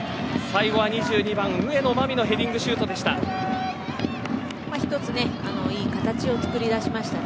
最後は２２番、上野真実のヘディングシュートでした。